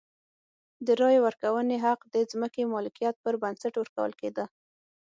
د رایې ورکونې حق د ځمکې مالکیت پر بنسټ ورکول کېده.